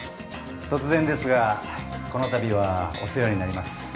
突然ですがこの度はお世話になります。